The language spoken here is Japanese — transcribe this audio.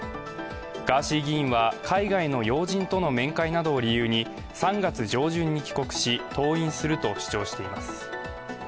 ガーシー議員は海外の要人との面会などを理由に３月上旬に帰国し登院すると主張しています。